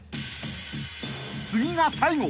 ［次が最後］